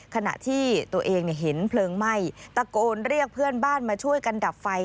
ขณะที่ตัวเองเห็นเพลิงไหม้ตะโกนเรียกเพื่อนบ้านมาช่วยกันดับไฟ